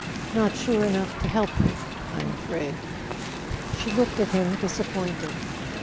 Not sure enough to help you, I'm afraid." She looked at him, disappointed.